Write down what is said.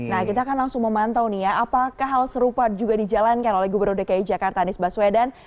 nah kita akan langsung memantau nih ya apakah hal serupa juga dijalankan oleh gubernur dki jakarta anies baswedan